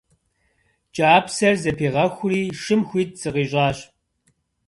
Кӏапсэр зэпигъэхури шым хуит зыкъищӏащ.